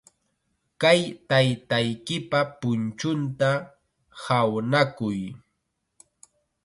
Kay taytaykipa punchunta hawnakuy.